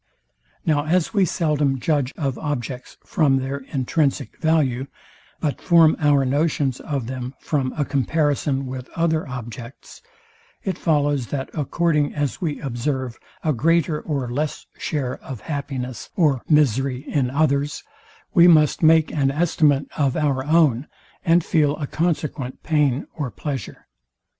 Now as we seldom judge of objects from their intrinsic value, but form our notions of them from a comparison with other objects; it follows, that according as we observe a greater or less share of happiness or misery in others, we must make an estimate of our own, and feel a consequent pain or pleasure.